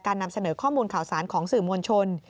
นำเสนอข้อมูลข่าวสารของสื่อมวลชน